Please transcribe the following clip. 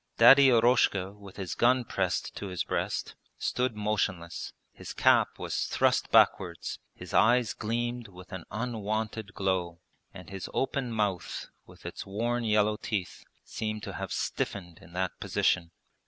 Daddy Eroshka with his gun pressed to his breast stood motionless; his cap was thrust backwards, his eyes gleamed with an unwonted glow, and his open mouth, with its worn yellow teeth, seemed to have stiffened in that position.